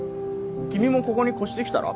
君もここに越してきたら？